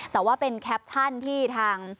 แต่ว่าเป็นแคปชั่นที่ทาง